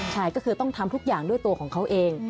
ใช่ก็คือต้องทำทุกอย่างด้วยตัวของเขาเอง